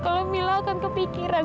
kalau mila akan kepikiran